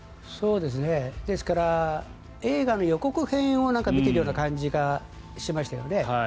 ですから、映画の予告編を見ているような感じがしましたよね。